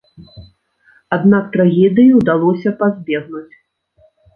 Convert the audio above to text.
Аднак трагедыі ўдалося пазбегнуць.